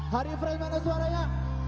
hari frey mana suaranya